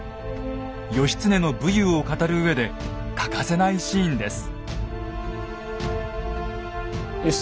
義経の武勇を語るうえで欠かせないシーンです。